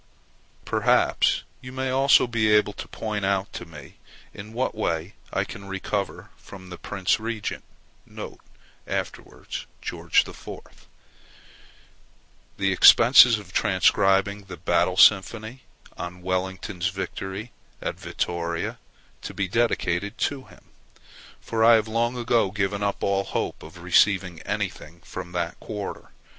Perhaps you may also be able to point out to me in what way I can recover from the Prince Regent [afterwards George IV.] the expenses of transcribing the "Battle Symphony" on Wellington's victory at Vittoria, to be dedicated to him, for I have long ago given up all hope of receiving anything from that quarter.